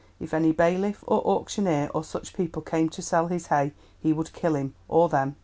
If any bailiff, or auctioneer, or such people came to sell his hay he would kill him, or them.